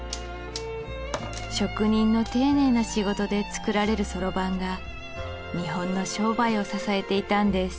職人の丁寧な仕事で作られるそろばんが日本の商売を支えていたんです